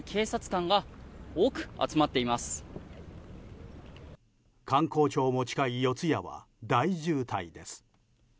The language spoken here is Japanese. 官公庁も近い四谷は大渋滞です。